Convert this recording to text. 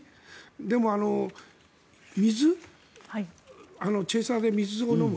でも、水チェイサーで水を飲む。